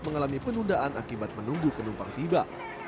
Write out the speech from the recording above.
mengalami penundaan akibat menunggu penumpang tiba